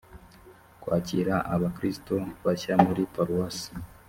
kwakira abakristo bashya muri paruwase